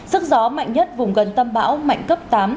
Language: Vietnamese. sức gió mạnh nhất vùng gần tâm bão mạnh cấp tám